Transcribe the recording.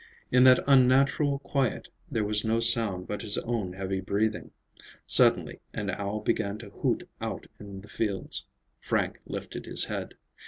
In that unnatural quiet there was no sound but his own heavy breathing. Suddenly an owl began to hoot out in the fields. Frank lifted his head.